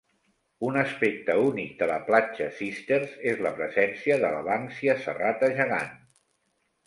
Un aspecte únic de la platja Sisters és la presència de la Banksia serrata gegant.